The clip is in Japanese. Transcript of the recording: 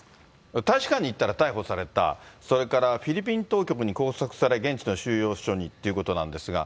大使館に行ったら逮捕された、それからフィリピン当局に拘束され、現地の収容所にということなんですが。